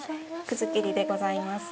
葛きりでございます。